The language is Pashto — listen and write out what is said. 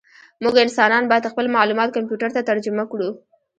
موږ انسانان باید خپل معلومات کمپیوټر ته ترجمه کړو.